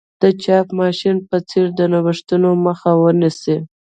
د چاپ ماشین په څېر د نوښتونو مخه ونیسي.